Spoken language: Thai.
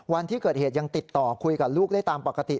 วันที่เกิดเหตุยังติดต่อคุยกับลูกได้ตามปกติ